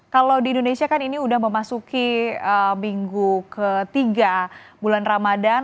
kalau di indonesia kan ini sudah memasuki minggu ketiga bulan ramadan